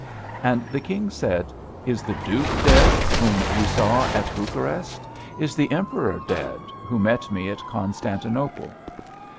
And the King said, "Is the Duke dead, whom we saw at Bucharest; is the Emperor dead, who met me at Constantinople?"